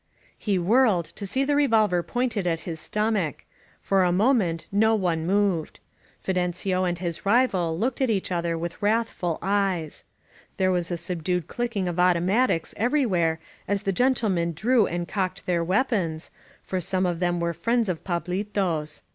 He whirled, to see the revolver pointed at his stom ach. For a moment no one moved. Fidencio and his rival looked at each other with wrathful eyes. There was a subdued clicking of automatics everywhere as the gentlemen drew and cocked their weapons, for some of them were friends of Fablito's.